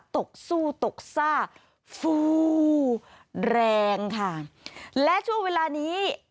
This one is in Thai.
ตกสู้ตกซ่าฟูแรงค่ะและช่วงเวลานี้